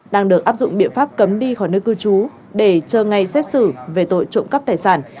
đang được áp dụng biện pháp cấm đi khỏi nơi cư trú để chờ ngày xét xử về tội trộm cắp tài sản